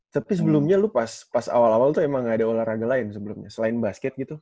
tapi sebelumnya lu pas awal awal tuh emang gak ada olahraga lain sebelumnya selain basket gitu